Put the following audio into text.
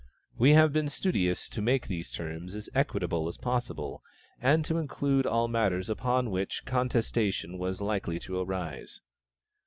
We have been studious to make these terms as equitable as possible, and to include all matters upon which contestation was likely to arise.